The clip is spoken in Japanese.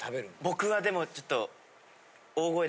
僕はでもちょっと。